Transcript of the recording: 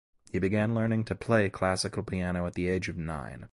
He began learning to play classical piano at the age of nine.